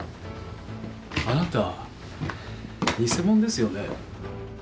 あなた偽者ですよね？